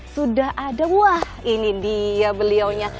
sudah ada wah ini dia beliaunya